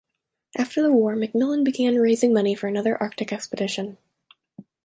After the war, MacMillan began raising money for another Arctic expedition.